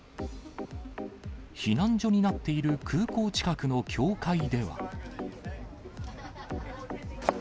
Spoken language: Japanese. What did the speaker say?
避難所になっている空港近くの教会では。